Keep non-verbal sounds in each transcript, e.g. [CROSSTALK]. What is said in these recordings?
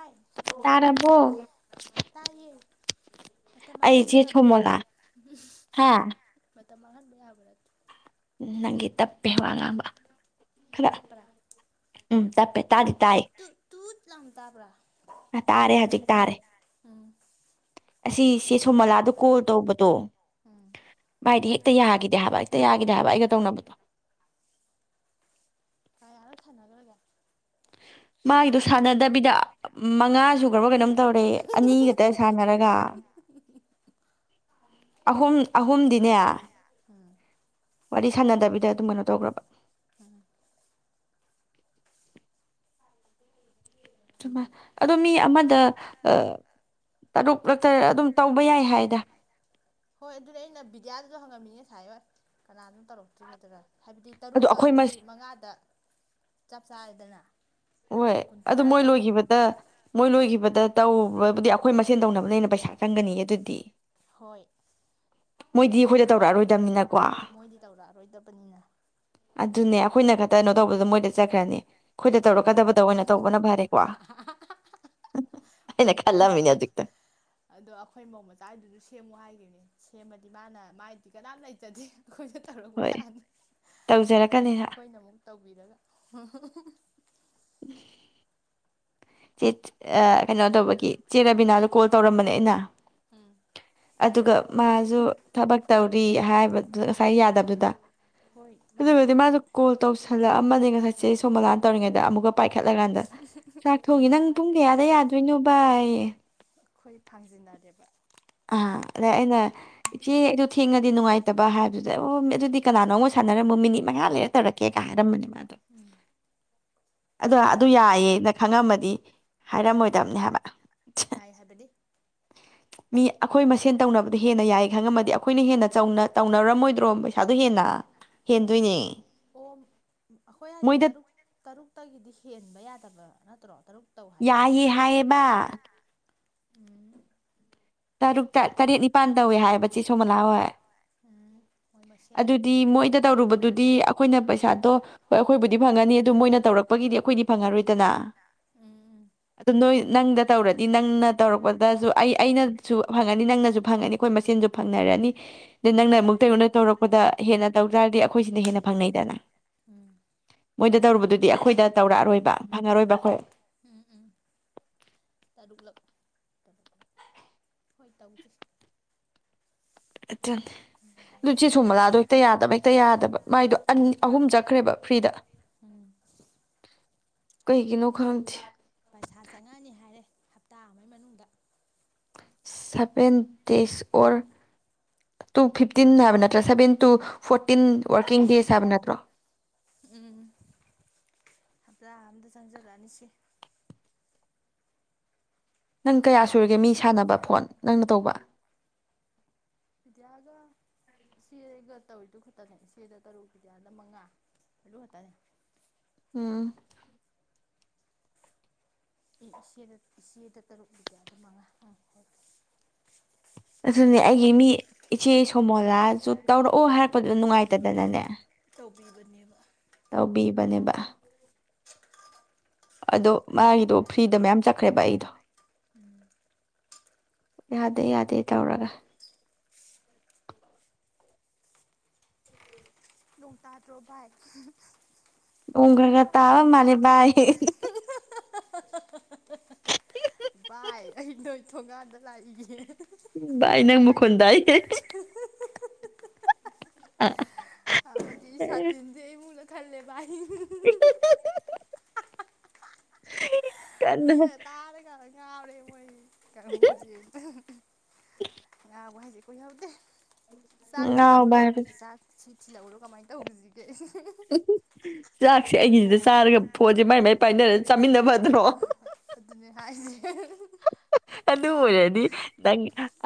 ꯥꯕꯥꯏ ꯇꯥꯔꯕꯣ ꯇꯥꯏꯌꯦ ꯃꯇꯝ ꯃꯥꯡꯍꯟꯕ ꯑꯩꯁꯦ ꯌꯥꯕ ꯅꯠꯇꯦ ꯁꯣꯃꯣꯂꯥ ꯎꯝ ꯍꯥ ꯃꯥꯇꯝ ꯃꯡꯍꯟꯕ ꯌꯥꯕ ꯎꯝ ꯅꯪꯗꯤ ꯇꯞꯄꯦ ꯋꯥ ꯉꯥꯡꯕ ꯈꯔ ꯇꯥꯄ꯭ꯔꯥ ꯎꯝ ꯇꯞꯄꯦ ꯇꯥꯗꯤ ꯇꯨꯠ ꯇꯥꯏ ꯇꯨꯠ ꯇꯨꯠ ꯂꯥꯎꯅ ꯇꯥꯕ꯭ꯔꯥ ꯇꯥꯔꯦ ꯍꯧꯖꯤꯛ ꯇꯥꯔꯦ ꯎꯝ ꯑꯁꯤꯁꯦ ꯁꯣꯃꯣꯂꯥꯗ ꯀꯣꯜ ꯇꯧꯕꯗꯣ ꯎꯝ ꯃꯥꯏꯗꯤ ꯍꯦꯛꯇ ꯌꯥꯈꯤꯗꯦ ꯍꯥꯏꯕ ꯍꯦꯛꯇ ꯌꯥ ꯌꯥꯒꯤꯗꯦ ꯍꯥꯏꯕ ꯑꯩꯒ ꯇꯧꯅꯕꯗꯨ ꯅꯒꯔꯒ ꯃꯥꯒꯤꯗꯣ ꯁꯥꯟꯅꯗꯕꯤꯗ ꯃꯉꯥꯁꯨꯈ꯭ꯔꯕ ꯀꯩꯅꯣꯝ ꯇꯧꯔꯦ ꯑꯅꯤꯒꯛꯇ ꯁꯥꯟꯅꯔꯒ ꯑꯍꯨꯝ ꯑꯍꯨꯝꯗꯤꯅꯦ ꯎꯝ ꯋꯥꯔꯤ ꯁꯥꯟꯅꯗꯕꯤꯗ ꯑꯗꯨꯝ ꯀꯩꯅꯣ ꯇꯧꯈ꯭ꯔꯕ ꯎꯝ ꯃꯥꯏ ꯑꯗꯣ ꯃꯤ ꯑꯃꯗ ꯇꯔꯨꯛ ꯇꯔ ꯑꯗꯨꯝ ꯇꯧꯕ ꯌꯥꯏ ꯍꯥꯏꯗ ꯍꯥꯏꯥꯏꯌꯣꯏ ꯀꯅꯥ ꯑꯗꯨꯝ ꯇꯧꯔꯛꯇ꯭ꯔꯤꯒꯦꯗꯨꯔꯥ ꯍꯥꯏꯕꯗꯤ ꯇꯔꯨꯛ ꯑꯗꯣ ꯂ ꯑꯩꯈꯣꯏ ꯑꯅꯤ ꯃꯁꯦ ꯃꯉꯥꯗ ꯆꯗꯅ ꯍꯣꯏ ꯑꯗꯨ ꯃꯣꯏ ꯂꯣꯏꯈꯤꯕꯗ ꯃꯣꯏ ꯂꯣꯏꯈꯤꯕꯗ ꯇꯧꯕꯕꯨꯗꯤ ꯑꯩꯈꯣꯏ ꯃꯁꯦꯟ ꯇꯧꯅꯕꯅꯦꯅ ꯄꯩꯁꯥ ꯆꯪꯒꯅꯤ ꯑꯗꯨꯗꯤ ꯍꯣꯏ ꯃꯣꯏꯗꯤ ꯑꯩꯈꯣꯏꯗ ꯇꯧꯔꯛꯑꯔꯣꯏꯗꯕꯅꯤꯅ ꯃꯣꯏꯗꯤ ꯇꯧꯔꯛꯑꯔꯣꯏꯗꯕꯅꯤꯅ ꯑꯗꯨꯅꯦ ꯑꯩꯈꯣꯏꯅ ꯈꯛꯇꯩꯅꯣ ꯇꯧꯕꯗ ꯃꯣꯏꯗ ꯆꯠꯈ꯭ꯔꯅꯤ ꯑꯩꯈꯣꯏꯗ ꯎꯝ ꯇꯧꯔꯛꯀꯗꯕꯗ ꯑꯣꯏꯅ ꯇꯧꯕꯅ ꯐꯔꯦꯀꯣ ꯑꯩꯅ ꯐꯩ ꯐꯩ ꯈꯜꯂꯝꯃꯤꯅꯦ ꯐꯩ ꯍꯧꯖꯤꯛꯇ ꯑꯗꯣ ꯑꯩꯈꯣꯏ ꯃꯧ ꯃꯆꯥꯗꯨꯁꯨ ꯁꯦꯝꯃꯨ ꯍꯥꯏꯈꯤꯕꯅꯦ ꯁꯦꯝꯃꯗꯤ ꯃꯥꯅ ꯃꯥꯏꯗꯤ ꯀꯅꯥꯝ ꯂꯩꯇꯗꯦ ꯑꯩꯈꯣꯏꯅ ꯇꯧꯔꯛꯄ ꯍꯣꯏ ꯌꯥꯅꯤꯦ ꯑꯩꯈꯣꯏꯅ ꯇꯧꯖꯔꯛꯀꯅꯤ ꯑꯩꯈꯣꯏꯅ ꯑꯃꯨꯛ ꯇꯧꯕꯤꯔꯒ ꯍ ꯆꯦ ꯀꯩꯅꯣ ꯇꯧꯕꯒꯤ ꯆꯦ ꯔꯕꯤꯅꯥꯗꯣ ꯀꯣꯜ ꯇꯧꯔꯝꯕꯅꯦ ꯑꯩꯅ ꯎꯝ ꯑꯗꯨꯒ ꯃꯥꯁꯨ ꯊꯕꯛ ꯇꯧꯔꯤ ꯍꯥꯏꯕꯗꯨ ꯉꯁꯥꯏ ꯌꯥꯗꯕꯗꯨꯗ ꯍꯣꯏ ꯑꯗꯨꯗ ꯃꯥꯗꯤ ꯐꯗꯤ ꯃꯥ ꯀꯣꯜ ꯇꯧꯁꯦ ꯍꯟꯂꯛꯑꯅꯦ ꯉꯥꯏꯦ ꯁꯣꯝꯜꯂꯥꯟ ꯇꯧꯔꯤꯉꯩꯗ ꯑꯃꯨꯛꯀ ꯄꯥꯏꯈꯠꯂꯀꯥꯟꯗ ꯉꯥꯛ ꯊꯣꯡꯏꯦ ꯅꯪ ꯄꯨꯡ ꯀꯌꯥꯗ ꯌꯥꯗꯣꯏꯅꯣ ꯏ ꯑꯩꯈꯣꯏ ꯐꯥꯡꯖꯤꯟꯅꯔꯦꯕ ꯑ ꯑꯗ ꯑꯩꯅ ꯏꯆꯦ ꯑꯩꯗꯣ ꯊꯦꯡꯉꯗꯤ ꯅꯨꯡꯉꯥꯏꯇꯕ ꯍꯥꯏꯕꯗꯨꯗ ꯑꯣ ꯃꯤ ꯑꯗꯨꯗꯤ ꯀꯅꯥꯅꯣ ꯑꯃꯨꯛ ꯁꯥꯟꯅꯔꯝꯃꯣ ꯃꯤꯅꯤꯠ ꯃꯉꯥ ꯂꯩꯔ ꯇꯧꯔꯛꯀꯦꯒ ꯍꯥꯏꯔꯝꯕꯅꯦꯕ ꯑꯗ ꯎꯝ ꯑꯗꯣ ꯑꯗꯨ ꯌꯥꯏꯌꯦꯦꯅ ꯈꯪꯉꯝꯃꯗꯤ ꯍꯥꯏꯔꯝꯃꯣꯏꯗꯕꯅꯤ ꯍꯥꯏꯕ ꯌꯥꯏ ꯍꯥꯏꯕꯗꯤ ꯃꯤ ꯑꯩꯈꯣꯏ ꯃꯁꯦꯟ ꯇꯧꯅꯕꯗ ꯍꯦꯟꯅ ꯌꯥꯏ ꯈꯪꯉꯝꯃꯗꯤ ꯑꯩꯈꯣꯏꯅ ꯍꯦꯟꯅ ꯇꯧꯅꯔꯝꯃꯣꯏꯗ꯭ꯔꯣ ꯄꯩꯁꯥꯗꯣ ꯍꯦꯟꯅ ꯍꯦꯟꯗꯣꯏꯅꯦ ꯑꯣ ꯑꯩꯈꯣꯏ ꯍꯥꯏꯁꯦ ꯃꯣꯏꯗ ꯇꯔꯨꯛ ꯇꯔꯨꯛꯇꯒꯤꯗꯤ ꯍꯦꯟꯕ ꯌꯥꯗꯕ꯭ꯔ ꯇꯔꯣ ꯇꯔ ꯌꯥꯏ ꯍꯥꯏꯌꯦꯕ ꯎꯝ ꯇꯔꯨꯛꯇ ꯌꯥꯏ ꯇꯔꯦꯠ ꯅꯤꯄꯥꯟ ꯇꯧꯋꯦ ꯍꯥꯏꯕ ꯆꯦ ꯁꯣꯃꯂꯥ ꯍꯣꯏ ꯎꯝ ꯃꯣꯏ ꯃꯁꯦꯟ ꯑꯗꯨꯗꯤ ꯃꯣꯏꯗ ꯇꯧꯔꯨꯕꯗꯨꯗꯤ ꯑꯩꯈꯣꯏꯅ ꯄꯩꯁꯥꯗꯣ ꯍꯣꯏ ꯑꯩꯈꯣꯏꯕꯨꯗꯤ ꯐꯪꯉꯅꯤ ꯑꯗꯨ ꯃꯣꯏꯅ ꯇꯧꯔꯛꯄꯒꯤꯗꯤ ꯑꯩꯈꯣꯏꯗꯤ ꯐꯪꯉꯔꯣꯏꯗꯅ ꯎꯝ ꯎꯝ ꯑꯗꯨ ꯅꯣꯏ ꯅꯪꯗ ꯇꯧꯔꯗꯤ ꯅꯪꯅ ꯇꯧꯔꯛꯄꯗꯁꯨ ꯑꯩ ꯑꯩꯅꯁꯨ ꯐꯪꯉꯅꯤ ꯅꯪꯅꯁꯨ ꯐꯪꯉꯅꯤ ꯑꯩꯈꯣꯏ ꯃꯁꯦꯟꯁꯨ ꯐꯪꯅꯔꯅꯤ ꯅ ꯅꯪꯅ ꯎꯝ ꯑꯃꯨꯛꯇꯧꯩꯅꯅ ꯇꯧꯔꯛꯄ ꯍꯦꯟꯅ ꯇꯧ ꯇꯥꯔꯗꯤ ꯑꯩꯈꯣꯏꯁꯤꯅ ꯍꯦꯟꯅ ꯐꯪꯅꯩꯗꯅ ꯎꯝ ꯃꯣꯏꯗ ꯇꯧꯔꯨꯕꯗꯨꯗꯤ ꯑꯩꯈꯣꯏꯗ ꯇꯧꯔꯛꯑꯔꯣꯏꯕ ꯐꯪꯉꯔꯣꯏꯕ ꯑꯩꯈꯣꯏ ꯎꯝ ꯎꯝ ꯇꯔꯨꯛꯂꯛ ꯍꯣꯏ ꯇꯕꯨ ꯆ ꯂꯨꯆꯤ ꯁꯨ ꯃꯂꯥꯗꯣ ꯄꯥꯝꯁꯦ ꯍꯦꯛꯇ ꯌꯥꯗꯕ ꯍꯦꯛꯇ ꯌꯥꯗꯕ ꯃꯥꯏꯗꯣ ꯑꯍꯨꯝ ꯆꯠꯈ꯭ꯔꯦꯕ ꯐ꯭ꯔꯤꯗ ꯎꯝ ꯀꯩꯒꯤꯅꯣ ꯈꯪꯗꯦ ꯄꯩꯁꯥ ꯆꯪꯉꯛꯑꯅꯤ ꯍꯥꯏꯔꯦ ꯇꯥ ꯑꯃꯒꯤ ꯃꯅꯨꯡꯗ seven days or two fifteen ꯍꯥꯏꯕ ꯅꯠꯇ꯭ꯔꯥ seven two fourteen working days ꯍꯥꯏꯕ ꯅꯠꯇ꯭ꯔꯣ ꯎꯝ ꯍꯞꯇꯥ ꯑꯝꯗ ꯆꯪꯖꯔꯛꯑꯅꯤꯁꯤꯦ ꯅꯪ ꯀꯌꯥ ꯁꯨꯔꯒꯦ ꯃꯤ ꯁꯥꯟꯅꯕ ꯐꯣꯟ ꯅꯪꯅ ꯇꯧꯕ ꯐꯤꯗꯤꯌꯥꯒ ꯆꯦꯒ ꯇꯧꯔꯤꯗꯨ ꯈꯛꯇꯅꯦ ꯏꯦꯗ ꯇꯔꯨꯛ ꯐꯤꯗꯤꯤꯌꯥꯅ ꯃꯉꯥ ꯑꯗꯨ ꯈꯛꯇꯅꯦ ꯎꯝ ꯏꯆ ꯏꯆꯦꯗ ꯇꯔꯨꯛꯨꯗꯤ ꯑꯗꯨ ꯃꯉꯥ ꯑ ꯑꯗꯨꯅꯦ ꯑꯩꯒꯤ ꯃꯤ ꯏꯆꯦ ꯁꯣꯃꯣꯂꯥꯁꯨ ꯇꯧꯔꯛꯑꯣ ꯍꯥꯏꯔꯛꯄꯗꯨꯗ ꯅꯨꯡꯉꯥꯏꯇꯗꯅꯅꯦ ꯕꯕ ꯇꯧꯕꯤꯕꯅꯦꯕ ꯑꯗꯣ ꯃꯥꯒꯤꯗꯣ ꯐ꯭ꯔꯤꯗ ꯃꯌꯥꯝ ꯆꯠꯈ꯭ꯔꯦꯕ ꯑꯩꯗꯣ ꯎꯝ ꯌꯥꯗꯦ ꯌꯥꯗꯦ ꯇꯧꯔꯒ ꯅꯣꯡ ꯇꯥꯗ꯭ꯔꯣ ꯚꯥꯏ ꯎꯝ ꯈꯔ ꯈꯔ ꯇꯥꯕ ꯃꯥꯜꯂꯤ ꯅꯤ ꯚꯏ ꯚꯥꯏ ꯑꯩ ꯅꯣꯏ ꯊꯣꯡꯒꯥꯟꯗ ꯂꯥꯛꯏꯒꯦ ꯚꯥꯏ ꯅꯪ ꯃꯈꯣꯟ ꯇꯥꯏ ꯑ ꯁꯥꯇꯤꯟꯁꯦ ꯈꯜꯂꯦꯚꯏ [UNINTELLIGIBLE] ꯍ ꯀꯟꯅ ꯇꯥꯔꯒ ꯉꯥꯎꯔꯦ ꯃꫭꯏꯅꯤ ꯀꯥꯡꯕꯨꯁꯦ ꯉꯥꯕꯨ ꯍꯥꯏꯁꯦ ꯄꯨꯥꯎꯗ ꯆꯥꯛ ꯉꯥꯎꯕ ꯊꯤꯂꯕꯨꯔꯣ ꯍꯥꯏꯕꯗꯨ ꯆ ꯊ ꯊꯤꯜꯂꯧꯔꫭ ꯀꯃꯥꯏ ꯇꯧꯕꯅꫭꯁꯤꯗꯤ ꯆꯥꯛꯁꯦ ꯑꯩꯒꯤꯁꯤꯗ ꯆꯥꯔꯒ ꯐꯣꯟꯁꯦ ꯃꯥꯏ ꯃꯥꯏ ꯄꯥꯏꯅꯔ ꯆꯥꯃꯤꯟꯅꯕ ꯑꯗꯨꯅꯦ ꯍꯥꯏꯁꯦ [UNINTELLIGIBLE] ꯑꯗꯨ ꯑꯣꯏꯔꯗꯤ ꯅꯪ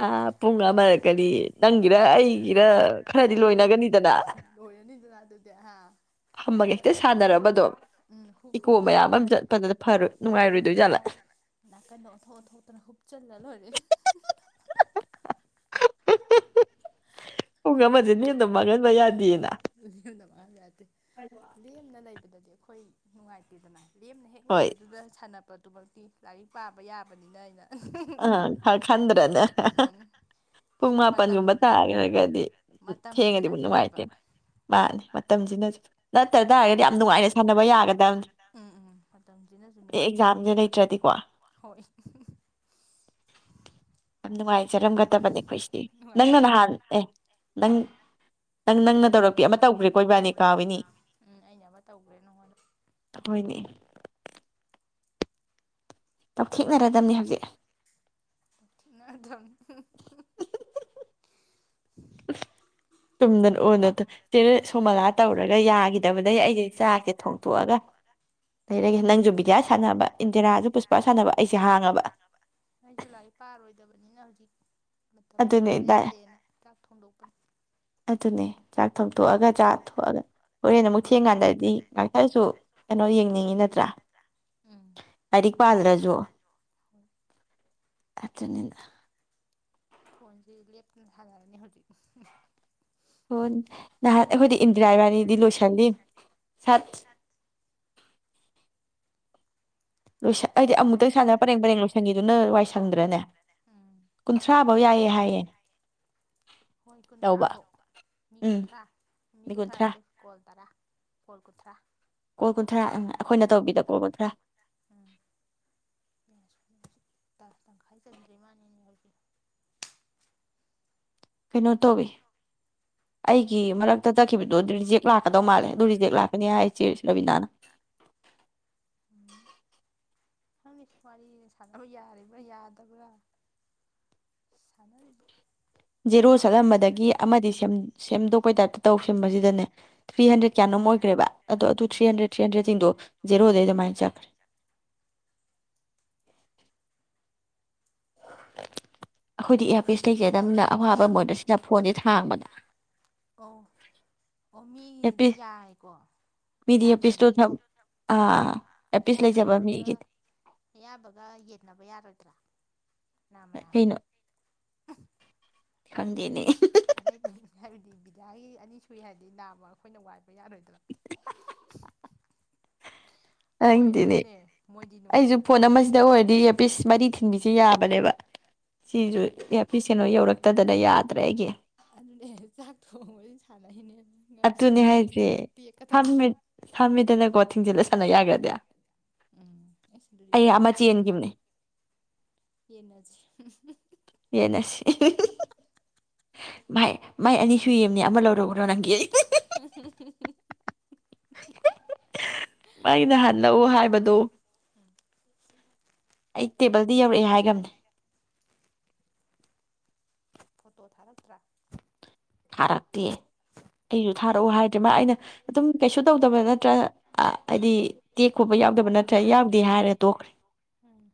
ꯑꯥ ꯄꯨꯡ ꯑꯃꯔꯛꯀꯅꯤꯌꯦ ꯅꯪꯒꯤꯔ ꯑꯩ ꯏꯔ ꯈꯔꯗꯤ ꯑꯦ ꯂꯣꯏꯔꯅꯤ ꯂꯣꯏꯅꯒꯅꯤꯗꯅ ꯂꯣꯏꯔꯅꯤꯗꯅ ꯑꯗꯨꯗꯤ ꯍꯥ ꯐꯝꯃꯒ ꯍꯦꯛꯇ ꯁꯥꯟꯅꯔꯕ ꯗꯨꯝ ꯎꯝ ꯍꯨꯛ ꯍꯨꯛꯇ ꯅꯥꯀꯟ ꯐꯔꯣꯏ ꯅꯨꯡꯉꯥꯏꯔꯣꯏꯗꯣꯏꯖꯥꯠꯂꯥ ꯅꯥꯀꯟꯗ ꯑꯣꯟꯊꫭꯛ ꯊꫭꯛꯇꯅ ꯆꯜꯂ ꯂꫭꯏꯔꯦ ꯍꯨꯝ ꯑꯃꯁꯦ ꯂꯦꯝꯅ ꯃꯥꯡꯍꯟꯕ ꯌꯥꯗꯦꯅ [UNINTELLIGIBLE] ꯂꯦꯝꯅ ꯂꯩꯕꯗꯗꯤ ꯑꯩꯈꯣꯏ ꯅꯨꯡꯉꯥꯏꯇꯗꯅ ꯂꯦꯝꯅ ꯍꯦꯛ ꯍꯣꯏ ꯂꯩꯕꯗꯨꯗ ꯁꯥꯟꯅꯕ ꯑꯗꯨꯃꯛꯇꯤ ꯂꯥꯏꯔꯤꯛ ꯄꯥꯕ ꯌꯥꯕꯅꯤꯅ ꯑꯩꯅ ꯑꯥ ꯈ ꯈꯟꯗ꯭ꯔꯅꯦ ꯄꯨꯡ ꯁꯤ ꯃꯇꯝ ꯃꯥꯄꯟꯒꯨꯝꯕ ꯇꯥꯈ꯭ꯔꯒꯗꯤ ꯊꯦꯡꯉꯗꯤꯕꯨ ꯅꯨꯡꯉꯥꯏꯇꯦ ꯃꯇꯝꯁꯤꯅꯁꯨꯅꯦꯕ ꯃꯥꯅꯦ ꯃꯇꯝꯁꯤꯅꯁꯨ ꯅꯠꯇ꯭ꯔ ꯇꯥꯔꯒꯗꯤ ꯌꯥꯝ ꯅꯨꯡꯉꯥꯏꯅ ꯁꯥꯟꯅꯕ ꯌꯥꯒꯗꯕꯅꯤ ꯎꯝ ꯎꯝ ꯑꯦ ꯃꯇꯝꯁꯤꯅꯁꯨꯅꯦꯕ ꯑꯦꯛꯖꯥꯝꯁꯦ ꯂꯩꯇ꯭ꯔꯗꯤꯀꯣ ꯍꯣꯏ ꯑꯗꯨꯅꯨꯡꯚꯥꯏ ꯆꯔꯝꯒꯗꯕꯅꯦꯈꯣꯏꯁꯤꯗꯤ ꯅꯪꯅ ꯅꯍꯥꯟ ꯅꯨꯡꯉꯥꯏꯖꯔꯝꯒꯅꯤ ꯑꯦ ꯅꯪ ꯅꯪ ꯅꯪ ꯇꯧꯔꯛ ꯄꯤ ꯑꯃ ꯇꯧꯈ꯭ꯔꯦ ꯀꯣꯏꯕꯅꯦ ꯀꯥꯅꯤ ꯎꯝ ꯑꯩꯅ ꯑꯃ ꯇꯧꯈ꯭ꯔꯦ ꯅꯉꯣꯟꯗ ꯍꯣꯏꯅꯦ ꯇꯞꯊꯦꯡꯅꯔꯗꯝꯅꯦ ꯍꯧꯖꯤꯛ ꯃꯗꯝ ꯆꯨꯝꯗꯅ ꯑꯣꯅꯠꯇꯣ ꯆꯦ ꯁꯨꯝ ꯃꯂꯥ ꯇꯧꯔꯒ ꯌꯥꯈꯤꯗꯕꯗꯒꯤꯩ ꯑꯩꯁꯦ ꯆꯥꯛꯁꯦ ꯊꯣꯡꯇꯣꯛꯑꯒ ꯅꯪꯁꯨ ꯕꯤꯗ꯭ꯌꯥ ꯁꯥꯟꯅꯕ ꯏꯟꯗꯤꯔꯥꯁꯨ ꯄꯨꯁꯄꯥ ꯁꯥꯟꯅꯕ ꯑꯩꯁꯦ ꯍꯥꯡꯉꯕ ꯑꯩꯁꯨ ꯂꯥꯏꯔꯤꯛ ꯄꯥꯔꯣꯏꯗꯕꯅꯤꯅ ꯍꯧꯖꯤꯛ ꯃꯇꯝ ꯑꯗꯨꯅꯦ ꯃꯥꯡꯍꯟꯕ ꯗꯥꯏ ꯌꯥꯗꯦꯅ ꯆꯥꯛ ꯊꯣꯡꯗꯣꯛꯄꯅ ꯑꯗꯨꯅꯦ ꯆꯥꯛ ꯊꯣꯊꯣꯛꯑꯒ ꯆꯥꯊꯣꯛꯑꯒ ꯍꯣꯔꯦꯟ ꯑꯃꯨꯛ ꯊꯦꯡꯀꯥꯟꯗꯗꯤ ꯉꯥꯛꯇꯔꯁꯨ ꯀꯩꯅꯣ ꯌꯦꯡꯅꯤꯡꯉꯤ ꯅꯠꯇ꯭ꯔꯥ ꯎꯝ ꯑꯔꯤꯛ ꯍꯣꯏ ꯄꯥꯜ꯭ꯔꯖꯨꯆꯅꯤꯗ ꯐꯣꯟꯣꯟꯁꯤ ꯂ ꯍꯥꯏꯂꯔꯅꯤ ꯍꯧ ꯍ ꯅꯍꯥꯟ ꯑꯩꯈꯣꯏꯗꯤ ꯏꯟꯗꯤꯔꯥ ꯏꯕꯥꯅꯤꯗꯤ ꯂꯣꯏꯁꯤꯜꯂꯤ ꯁꯥꯠ ꯆꯥꯛ ꯍꯥꯏꯗꯤ ꯑꯃꯨꯛꯇꯪ ꯇꯣꯛꯑꯒ ꯁꯥꯟꯅ ꯄꯔꯦꯡ ꯁꯥꯟꯅꯕꯗ ꯄꯔꯦꯡ ꯂꯣꯏꯁꯟꯈꯤꯗꯨꯅ ꯋꯥꯏꯁꯪꯗ꯭ꯔꯅꯦ ꯎꯝ ꯀꯨꯟꯊ꯭ꯔꯥꯐꯧ ꯌꯥꯏꯌꯦꯦ ꯍꯥꯏꯌꯦꯦ ꯍꯣꯏ ꯀꯨꯟꯊ꯭ꯔꯥꯕꯧ ꯃꯤ ꯀꯨꯟꯊ꯭ꯔꯥ ꯃꯤ ꯀꯨꯟꯊ꯭ꯔꯥ ꯅꯠꯇꯦ ꯀꯣꯜ ꯇꯔꯥ ꯀꯣꯜ ꯀꯨꯟꯊ꯭ꯔꯥ ꯀꯣꯜ ꯀꯨꯟꯊ꯭ꯔꯥ ꯑꯈꯣꯏꯅ ꯎꯝ ꯇꯧꯕꯤꯗ ꯀꯣꯜ ꯀꯨꯟꯊ꯭ꯔꯥ ꯎꯝ ꯇꯪꯈꯥꯏ ꯆꯟꯗ꯭ꯔꯤ ꯃꯥꯜꯅꯤꯅꯦ ꯍꯧꯖꯤꯛ ꯀꯩꯅꯣ ꯇꯧꯋꯤ ꯑꯩꯒꯤ ꯃꯔꯛꯇ ꯇꯠꯈꯤꯕꯗꯣ ꯗꯨ ꯔꯤꯖꯦꯛ ꯂꯥꯛꯀꯗꯧ ꯃꯥꯜꯂꯦ ꯑꯗꯨ ꯔꯤꯖꯦꯛ ꯂꯥꯛꯀꯅꯤ ꯍꯥꯏ ꯆꯦꯔꯕꯤꯅꯥꯅ ꯎꯝ ꯈꯪꯗꯦ ꯋꯥꯔꯤ ꯁꯥꯟꯅꯕ ꯌꯥꯔꯤꯕ꯭ꯔꯥ ꯌꯥꯗꯕ꯭ꯔꯥ ꯁꯥꯅꯔꯤꯕ ꯖꯦꯔꯣ ꯆꯠꯂꯝꯕꯗꯒꯤ ꯑꯃꯗꯤ ꯁꯦꯝ ꯁꯦꯝꯗꯣꯛꯄꯩ ꯇꯥꯏꯞꯇ ꯇꯧ ꯁꯦꯝꯕꯖꯤꯗꯅꯦ ꯊ꯭ꯔꯤ ꯍꯟꯗ꯭ꯔꯦꯠ ꯀꯌꯥꯅꯣꯝ ꯑꯣꯏꯈ꯭ꯔꯦꯕ ꯑꯗꯣ ꯑꯗꯨ ꯊ꯭ꯔꯤ ꯍꯟꯗ꯭ꯔꯦꯗ ꯊ꯭ꯔꯤ ꯍꯟꯗ꯭ꯔꯦꯗꯁꯤꯡꯗꯣ ꯖꯦꯔꯣꯗꯩ ꯑꯗꯨꯃꯥꯏ ꯆꯛ ꯑꯈꯣꯏꯗꯤ ꯏꯌꯥꯥꯔ ꯄꯤꯁ ꯂꯩꯖꯗꯝꯅ ꯑꯋꯥꯕꯝ ꯑꯣꯏꯔ ꯁꯤ ꯑꯣ ꯑꯣ ꯃꯤꯒꯤꯗꯤ ꯏꯌꯥꯔꯄꯤꯁ ꯌꯥꯏꯀꯣ ꯃꯤꯗꯤ ꯑꯌꯥꯕ ꯏꯌꯥꯔꯄꯤꯁꯇꯣ ꯃꯤꯒꯤꯗꯤ ꯊꯝ ꯑꯥ ꯏꯌꯥꯔꯄꯤꯁ ꯂꯩꯖꯕ ꯑꯌꯥꯕꯗꯨꯗꯤ ꯃꯤꯒꯤ ꯑꯌꯥꯕꯒ ꯌꯦꯟꯅꯕ ꯌꯥꯔꯣꯢꯗ꯭ꯔꯥ ꯅꯥꯝꯃ ꯅꯥꯝꯃ ꯀꯩꯅꯣ ꯈꯪꯗꯦꯅꯦ ꯗꯤ ꯕꯤꯗꯥꯏ ꯑꯅꯤ ꯁꯨꯏ ꯍꯥꯏꯗꯤ ꯅꯥꯝꯃ ꯑꯈꯣꯏꯅ ꯋꯥꯏꯕ ꯌꯥꯔꯣꯏꯗꯔꯥ ꯇꯥꯅꯤꯡꯗꯤꯅꯦ ꯃꯣꯏꯗꯤ ꯑꯩꯖꯨ ꯅꯨꯡꯉꯥꯏꯅ ꯐꯣꯟ ꯑꯃꯖꯤꯗ ꯇꯧꯔꯝꯒꯅꯤ ꯑꯣꯏꯔꯗꯤ ꯏꯌꯔꯄꯤꯁ ꯃꯔꯤ ꯊꯤ ꯕꯤꯁꯦ ꯌꯥꯕꯅꯦꯕ ꯁꯤꯖꯨ ꯍꯣꯏ ꯑꯦꯌꯔꯄꯤꯁ ꯀꯩꯅꯣ ꯌꯧꯔꯛ ꯇꯗꯅ ꯌꯥꯗ꯭ꯔꯦ ꯑꯩꯒꯤ ꯑꯗꯨꯅꯦ ꯆꯥꯛ ꯊꯣꯡꯕ ꯁꯥꯟꯅꯩꯅꯦꯠ ꯑꯗꯨꯅꯦ ꯍꯥꯏꯖꯦ ꯐꯝꯃꯤꯠ ꯐꯝꯃꯦꯗꯅꯀꯣ ꯊꯤꯡꯖꯤꯜꯂ ꯁꯥꯟꯅ ꯌꯥꯛ [UNINTELLIGIBLE] ꯎꯝ ꯀꯣꯏꯆꯠ ꯆꯠꯇꯅ ꯆꯦꯟꯈꯤꯕꯅꯦ ꯌꯦꯟꯅꯖꯤ ꯥꯃꯥꯏ ꯃꯥꯏ ꯑꯅꯤ ꯁꯨꯏꯑꯝꯅꯤ ꯑꯃ ꯂꯧꯔꯛ ꯎꯔꯣ ꯅꯪꯒꯤ [UNINTELLIGIBLE] ꯃꯥꯒꯤꯅ ꯍꯟꯂꯛꯎ ꯍꯥꯏꯕꯗꯣ ꯎꯝ ꯑꯩ ꯇꯦꯕꯜꯗꯤ ꯌꯧꯔꯛꯑꯦ ꯍꯥꯏꯒꯝꯅꯦ ꯐꯣꯇꯣ ꯊꯥꯔꯛꯇ꯭ꯔꯥ ꯊꯥꯔꯛꯇꯦ ꯑꯩ ꯖꯨ ꯊꯥꯔꯛꯎ ꯍꯥꯏꯗ꯭ꯔꯦ ꯃꯥ ꯑꯩꯅ ꯑꯗꯨꯝ ꯀꯩꯁꯨꯠ ꯇꯧꯗꯕ ꯅꯠꯇ꯭ꯔꯥ ꯍꯥꯏꯗꯤ ꯇꯦꯛ ꯈꯣꯠꯄ ꯌꯥꯎꯗꯕ ꯅꯠꯇ꯭ꯔꯥ ꯌꯥꯎꯗꯦ ꯍꯥꯏꯔꯦ ꯇꯣꯛꯈ꯭ꯔꯦ ꯎꯝ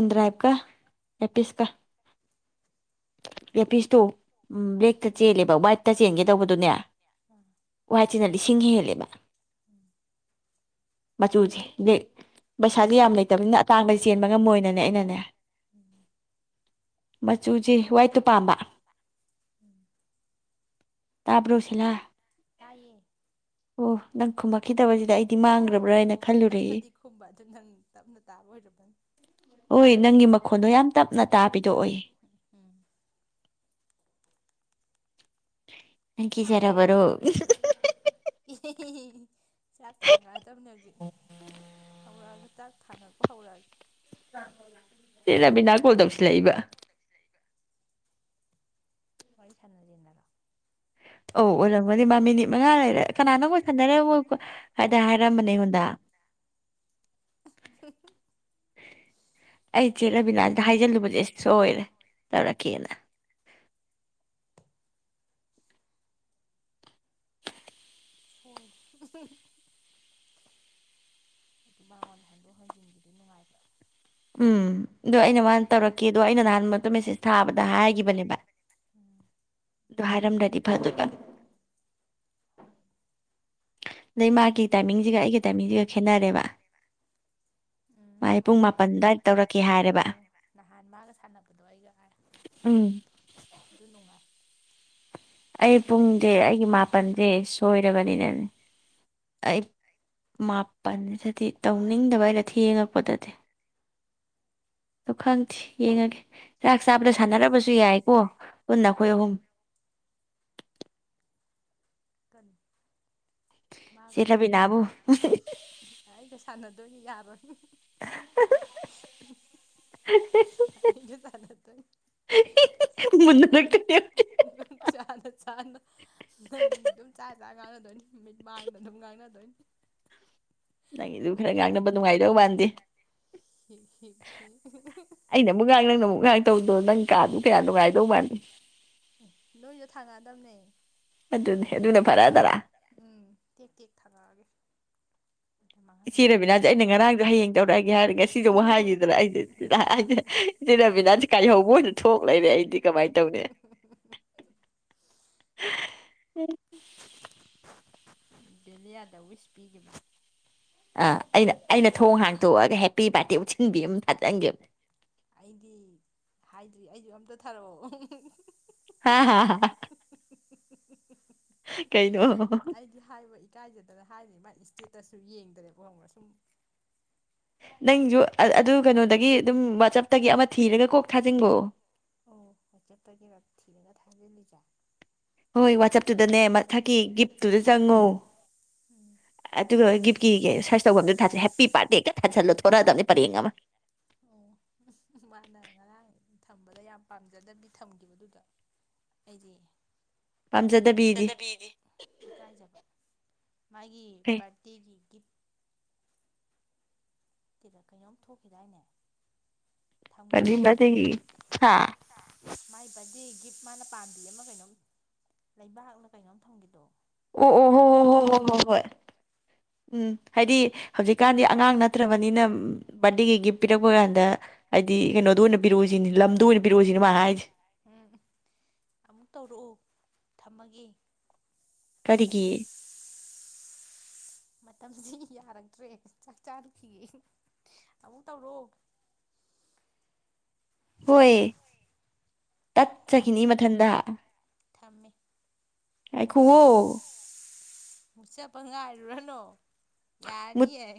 ꯗꯔ꯭ꯥꯏꯄ ꯀ ꯑꯦꯄꯤꯁ ꯀ ꯑꯦꯄꯤꯁ ꯇꯣ ꯕ꯭ꯂꯦꯛꯇ ꯑꯥ ꯆꯦꯜꯂꯦꯕ ꯋꯥꯏꯠꯇ ꯆꯦꯟꯒꯦ ꯇꯧꯕꯗꯨꯅꯦ ꯑꯥ ꯋꯥꯏꯠꯁꯤꯅ ꯂꯤꯁꯤꯡ ꯍꯦꯜꯂꯦꯕ ꯎꯝ ꯃꯆꯨꯁꯦ ꯕ꯭ꯂꯦꯛ ꯄꯩꯁꯥꯖꯦ ꯌꯥꯝ ꯂꯩꯇꯕꯅꯤꯅ ꯑꯇꯥꯡꯕ ꯆꯦꯟꯕ ꯉꯝꯃꯣꯏꯅꯅꯦ ꯑꯩꯅꯅꯦ ꯎꯝ ꯃꯆꯨꯖꯦ ꯋꯥꯏꯠꯇꯨ ꯄꯥꯝꯕ ꯎꯝ ꯇꯥꯕ꯭ꯔꯣ ꯁꯤꯂꯥ ꯇꯥꯏꯌꯦ ꯑꯣ ꯅꯪ ꯈꯨꯝꯃꯛꯈꯤꯗꯕꯖꯤꯗ ꯑꯩ ꯇꯤ ꯃꯥꯡꯒꯔꯥꯕ꯭ꯔꯥ ꯍꯥꯏꯅ ꯑꯣ ꯈꯜꯂꯨꯔꯦꯍꯦ ꯇꯞꯅꯗꯤ ꯈꯨꯝꯕ ꯑꯗꯨ ꯅꯪ ꯇꯞꯅ ꯇꯥꯕ ꯑꯣꯏꯔꯕꯅꯤ ꯍꯣꯏ ꯅꯪꯒꯤ ꯃꯈꯣꯟꯗꯣ ꯌꯥꯝ ꯇꯞꯅ ꯇꯥꯕꯤꯗꯣ ꯑꯣꯏꯌꯦ ꯎꯝ ꯀ ꯆꯔꯕꯔꯣ ꯍꯤ ꯍꯤ ꯍꯤ ꯆꯥꯛ ꯊꯥꯡꯒꯥꯏꯑꯗꯕꯅꯦꯖꯤ ꯍꯧꯔꯛꯑꯒꯦ ꯇꯥꯛ ꯊꯥꯡꯉꯛꯄ ꯍꯧꯔꯛꯑꯒꯦ ꯁꯤꯂꯕꯤꯅꯥ ꯀꯣꯗꯧꯁꯤ ꯂꯩ ꯏꯕ ꯋꯥꯔꯤ ꯊꯅꯗꯤꯅꯔꯣ ꯑꯧ ꯑꯣꯏꯔꯝꯒꯅꯤ ꯃꯥ ꯃꯤꯅꯤꯠ ꯃꯉꯥ ꯂꯩꯔꯦ ꯀꯅꯥꯅ ꯑꯣꯏꯣꯏ ꯁꯟꯅꯔꯦ ꯃꯣꯏ ꯍꯥꯏꯗ ꯍꯥꯏꯔꯝꯕꯅꯦ ꯑꯩꯉꯣꯟꯗꯥ [UNINTELLIGIBLE] ꯑꯩ ꯃꯥꯅꯦ ꯆꯦꯜꯠꯂꯕꯤꯅ ꯑꯝꯇ ꯍꯥꯏꯖꯜꯂꯨꯕꯁꯦ ꯁꯣꯏꯔꯦ ꯇꯔ ꯀꯈꯤꯅ ꯁꯣꯏꯗ ꯑꯗꯨ ꯃꯉꯣꯟꯗ ꯍꯟꯗꯣꯛ ꯍꯟꯖꯤꯟꯒꯤꯗꯤ ꯅꯨꯡꯉꯥꯏꯕ꯭ꯔꯥ ꯎꯝ ꯑꯗꯣ ꯑꯩꯅ ꯃꯥꯅ ꯇꯧꯔꯛꯀꯦ ꯑꯗꯣ ꯑꯩꯅ ꯅꯍꯥꯟ ꯃ ꯃꯦꯁꯦꯁ ꯊꯥꯕꯗ ꯍꯥꯏꯈꯤꯕꯅꯦꯕ ꯎꯝ ꯑꯗꯨ ꯍꯥꯏꯔꯝꯗ꯭ꯔꯗꯤ ꯐꯗꯣꯏꯕ ꯑꯗꯩ ꯃꯥꯒꯤ ꯇꯥꯏꯃꯤꯡꯁꯤꯒ ꯑꯩꯒꯤ ꯇꯥꯏꯃꯤꯡꯁꯤꯒ ꯈꯦꯠꯅꯔꯦꯕ ꯎꯝ ꯃꯥꯒꯤ ꯃꯥꯏ ꯄꯨꯡ ꯃꯥꯄꯜ ꯇꯥꯏꯃꯤꯡꯁꯦ ꯑꯗꯨꯋꯥꯏꯗ ꯇꯧꯔꯛꯀꯦ ꯍꯥꯏꯔꯦꯕ ꯑꯣ ꯅꯍꯥꯟ ꯃꯥꯒ ꯁꯥꯟꯅꯕꯗꯣ ꯑꯩꯒ ꯑꯥꯏ ꯎꯝ ꯑꯗꯨ ꯅꯨꯡꯉꯥꯏ ꯑꯩ ꯄꯨꯡꯗꯤ ꯑꯩꯒꯤ ꯃꯥꯄꯜꯗꯤꯦ ꯁꯣꯏꯔꯕꯅꯤꯅꯅꯦ ꯑꯩ ꯃꯥꯄꯟꯗꯗꯤ ꯇꯧꯅꯤꯡꯗꯕ ꯍꯥꯏꯩꯅ ꯊ ꯌꯦꯡꯉꯛꯄꯗꯗꯤ ꯑꯗꯨ ꯈꯪꯗꯦ ꯌꯦꯡꯉꯒꯦ ꯆꯥꯛ ꯆꯥꯕꯗ ꯁꯥꯟꯅꯔꯕꯁꯨ ꯌꯥꯏꯀꯣ ꯄꯨꯟꯅ ꯑꯩꯈꯣꯏ ꯑꯍꯨꯝ ꯀꯅꯤ ꯆꯦ ꯃꯥꯒ ꯔꯕꯤꯅꯥꯕꯨ ꯑꯩꯒ ꯁꯥꯟꯅꯗꯣꯏꯅꯤ ꯌꯥꯔꯣꯏ ꯑꯩꯒ ꯁꯥꯟꯅꯗꯣꯏꯅꯤ ꯃꯨꯟꯅꯔꯛꯇꯣꯏꯅꯦ ꯑ ꯑꯗꯨꯝ ꯆꯥꯛ ꯆꯥ ꯀꯥꯟꯅꯗꯣꯏꯅꯤ ꯅꯨꯃꯤꯠ ꯃꯥꯡꯗ ꯑꯗꯨꯝ ꯉꯥꯡꯅꯗꯣꯏꯅꯤ ꯅꯪꯒꯤꯗꯨ ꯈꯔ ꯉꯥꯡꯅꯕ ꯍꯨꯞꯃꯤꯟꯅꯗꯣꯏ ꯅꯨꯡꯉꯥꯏꯗꯧ ꯃꯥꯟꯗꯦ ꯍꯤ ꯍꯤ ꯍꯤ ꯑꯩꯅ ꯑꯃꯨꯛ ꯉꯥꯡ ꯅꯪꯅ ꯑꯃꯨꯛ ꯉꯥꯡꯇꯧꯗꯣ ꯅꯪ ꯀꯥꯗ ꯀꯌꯥ [UNINTELLIGIBLE] ꯅꯣꯏꯗ ꯊꯥꯡꯉꯛꯑꯗꯕꯅꯦ [UNINTELLIGIBLE] ꯑꯗꯨꯅꯦ ꯑꯗꯨꯅ ꯐꯔꯥ ꯇꯔꯥ ꯎꯝ ꯇꯦꯛ ꯇꯦꯛ ꯊꯥꯡꯉꯛ ꯑꯒꯦ꯫ ꯏꯆꯦꯔꯕꯤꯅꯥꯁꯦ ꯑꯩꯅ ꯉꯔꯥꯡꯗ ꯍꯌꯦꯡ ꯇꯧꯔꯛꯑꯒꯦ ꯍꯥꯏꯔꯦ ꯉꯁꯤꯗꯨꯛ ꯍꯥꯏꯈꯤꯗꯅ ꯑꯩꯗꯤꯁ ꯏꯆꯦꯔꯕꯤꯅꯥꯁꯦ ꯀꯥꯏꯍꯧꯕ ꯑꯣꯏꯅ ꯊꯣꯛ ꯂꯩꯔꯦ ꯑꯩꯗꯤ ꯀꯃꯥꯏꯅ ꯇꯧꯅꯤ ꯎꯝ ꯕꯦꯂꯤꯌꯥꯗ ꯋꯤꯁ ꯄꯤꯈꯤꯕ ꯑꯥ ꯑꯩꯅ ꯑꯩꯅ ꯊꯣꯡ ꯍꯥꯡꯇꯣꯛꯑꯒ ꯍꯦꯞꯄꯤ ꯕꯥꯔꯗꯦ ꯎꯠꯁꯤꯟꯕꯤ ꯑꯃ ꯊꯥꯖꯟꯒꯦ ꯑꯩꯗꯤ ꯍꯥꯏꯗ꯭ꯔꯤ ꯑꯩꯁꯨ ꯑꯝꯇ ꯊꯥꯔꯛꯑꯣ ꯍꯥ ꯍꯥ ꯍꯥ ꯀꯩꯅꯣ [UNINTELLIGIBLE] ꯑꯩꯗꯤ ꯍꯥꯏꯕ ꯏꯀꯥꯏꯖꯗꯅ ꯍꯥꯏꯅꯤꯃꯒꯤ ꯏꯁꯇꯦꯇꯁꯁꯨ ꯌꯦꯡꯗ꯭ꯔꯦꯕ [UNINTELLIGIBLE] ꯅꯪꯁꯨ ꯑꯗꯨ ꯀꯩꯅꯣꯗꯒꯤ ꯑꯗꯨꯝ ꯋꯥꯆꯞꯇꯒꯤ ꯑꯃ ꯊꯤꯔꯒ ꯀꯣꯛ ꯊꯥꯖꯤꯟꯒꯣ ꯑꯣ [UNINTELLIGIBLE] ꯊꯤꯔꯒ ꯊꯥꯖꯤꯜꯂꯤꯖꯦ ꯍꯣꯏ ꯋꯥꯆꯞꯇꯨꯗꯅꯦ ꯃꯊꯛꯀꯤ ꯒꯤꯐꯇꯨꯗ ꯆꯪꯉꯣ ꯎꯝ ꯑꯗꯨꯒ ꯒꯤꯐ ꯀꯤ ꯀꯦ ꯁꯔꯁ ꯇꯧꯐꯝꯗꯨꯗꯤ ꯊ ꯍꯦꯄꯤ ꯕꯥꯔꯗꯦꯒ ꯊꯣꯛꯔꯛꯑꯗꯕꯅꯤ ꯄꯔꯦꯡ ꯑꯃ ꯑꯣ ꯃꯥꯅ ꯉꯔꯥꯡ ꯊꯝꯕꯗ ꯌꯥꯝ ꯄꯥꯝꯖꯗꯕꯤ ꯊꯝꯈꯤꯕꯗꯨꯗ ꯑꯩꯗꯤ ꯄꯥꯝꯖꯗꯕꯤꯗꯤ ꯇꯗꯕꯤꯗꯤ ꯏꯀꯥꯏꯖꯕ ꯃꯥꯒꯤ ꯀꯩ ꯄꯔꯇꯤꯒꯤ ꯒꯤꯐ ꯗ ꯀꯩꯅꯣꯝ ꯊꯣꯛꯈꯤꯗꯥꯏꯅꯦ ꯊꯝꯈꯤꯗꯥꯏꯅꯦ [UNINTELLIGIBLE] ꯃꯥꯏ ꯕꯔꯗꯦ ꯒꯤꯐ ꯃꯥꯅ ꯄꯥꯝꯕꯤ ꯑꯃ ꯀꯩꯅꯣꯝ ꯂꯩꯕꯥꯛꯅ ꯀꯩꯅꯣꯝ ꯊꯝꯒꯤꯕꯗꯣ ꯑꯣ ꯑꯣ ꯍꯣ ꯍꯣ ꯍꯣ ꯍꯣꯏ ꯍꯣꯏ ꯍꯣꯏ ꯎꯝ ꯍꯥꯏꯗꯤ ꯍꯧꯖꯤꯛꯀꯥꯟꯗꯤ ꯑꯉꯥꯡ ꯅꯠꯇ꯭ꯔꯕꯅꯤꯅ ꯕꯥꯔꯗꯦꯒꯤ ꯒꯤꯐ ꯄꯤꯔꯛꯄ ꯀꯥꯟꯗ ꯍꯥꯏꯗꯤ ꯀꯩꯅꯣꯗ ꯑꯣꯏꯅ ꯄꯤꯔꯛꯎꯁꯤꯅꯤ ꯂꯝꯗꯨ ꯑꯣꯏꯅ ꯄꯤꯔꯛꯎꯁꯤꯅꯦ ꯃꯥꯅ ꯍꯥꯏꯁꯦ ꯎꯝ ꯑꯃꯨꯛ ꯇꯧꯔꯛꯑꯣ ꯊꯝꯃꯒꯦ ꯀꯔꯤꯒꯤ ꯃꯇꯝꯁꯤ ꯌꯥꯔꯛꯇ꯭ꯔꯦ ꯆꯥꯛ ꯆꯥꯔꯨꯈꯤꯒꯦ ꯑꯃꯨꯛ ꯇꯧꯔꯣꯑꯣ ꯍꯣꯏ꯫ ꯇꯠ ꯆꯈꯤꯅꯤ ꯊꯝꯃꯦ ꯃꯊꯟꯗ ꯊꯝꯃꯦ ꯉꯥꯏꯈꯨꯌꯣ ꯆꯄ ꯉꯥꯏꯔꯨꯔꯅꯣ ꯌꯥꯅꯤꯑꯦ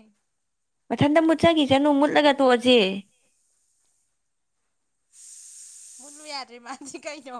ꯆꯈꯤ ꯁꯅꯣ ꯃꯨꯠꯂꯒ ꯇꯣꯛꯑꯁꯦ ꯃꯨꯠꯂꯨ ꯌꯥꯗ꯭ꯔꯦ ꯃꯥꯗꯤ ꯀꯩ ꯅꯣ